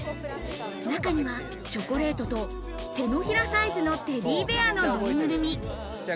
中にはチョコレートと手のひらサイズのテディベアのぬいぐるみ。